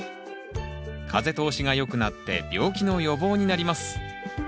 風通しが良くなって病気の予防になります。